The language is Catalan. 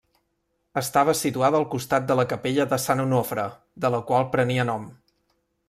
Estava situada al costat de la capella de Sant Onofre, de la qual prenia nom.